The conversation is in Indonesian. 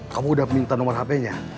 kamu udah minta nomor hp nya